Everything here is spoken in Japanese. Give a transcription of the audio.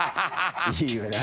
いいよな。